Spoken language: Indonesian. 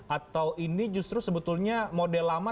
atau ini justru sebetulnya model lama